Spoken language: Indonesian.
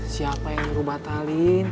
siapa yang nyuruh batalin